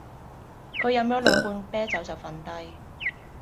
佢飲咗兩罐啤酒就瞓低